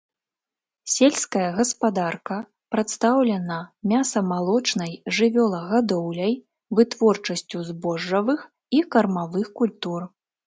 Сельская гаспадарка прадстаўлена мяса-малочнай жывёлагадоўляй, вытворчасцю збожжавых і кармавых культур.